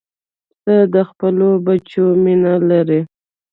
پسه د خپلو بچیو مینه لري.